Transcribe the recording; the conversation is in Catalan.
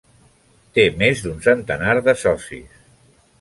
Té més d'un centenar de socis.